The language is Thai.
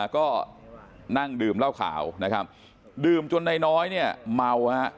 ก็นั่งดื่มเหล้าขาวดื่มจนนายน้อยเมา